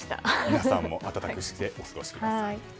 皆さんも暖かくしてお過ごしください。